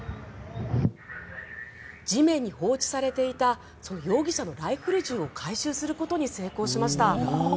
地面に放置されていた容疑者のライフル銃を回収することに成功しました。